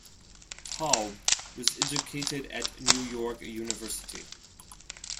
Taub was educated at New York University.